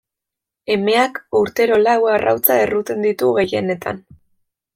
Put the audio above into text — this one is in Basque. Emeak urtero lau arrautza erruten ditu gehienetan.